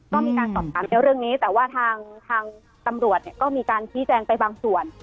ก็มีการตอบการณ์ในเรื่องนี้แต่ว่าทางทางตำรวจเนี่ยก็มีการพิจารณ์ไปบางส่วน